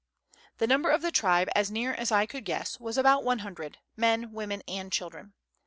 The number of the tribe, as near as I could guess, was about 100 men, women, and children.